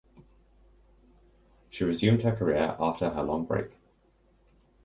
She resumed her career after her long break.